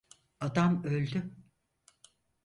Adam öldü.